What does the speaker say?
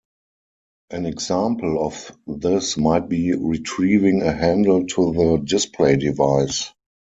An example of this might be retrieving a handle to the display device.